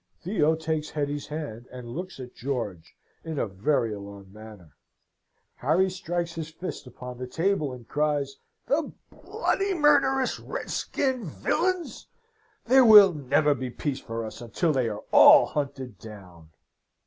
Theo takes Hetty's hand, and looks at George in a very alarmed manner. Harry strikes his fist upon the table, and cries, "The bloody, murderous, red skinned villains! There will never be peace for us until they are all hunted down!"